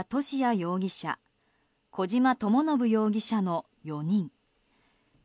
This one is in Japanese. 容疑者小島智信容疑者の４人。